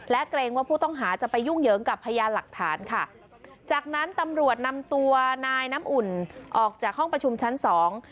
และเกรงว่าผู้ต้องหาจะไปยุ่งเหยิงกับพยานหลักฐานค่ะจากนั้นตำรวจนำตัวนายน้ำอุ่นออกจากห้องประชุมชั้นสอง